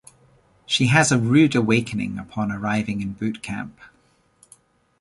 She has a rude awakening upon arriving in boot camp.